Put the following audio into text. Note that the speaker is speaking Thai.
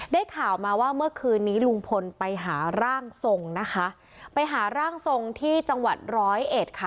ได้ข่าวมาว่าเมื่อคืนนี้ลุงพลไปหาร่างทรงนะคะไปหาร่างทรงที่จังหวัดร้อยเอ็ดค่ะ